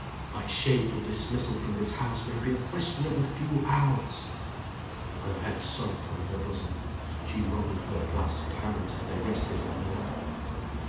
My shameful dismissal from this house may be a question of a few hours." Her head sunk on her bosom; she wrung her clasped hands as they rested on her lap.